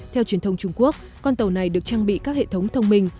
theo truyền thông trung quốc con tàu này được trang bị các hệ thống thông minh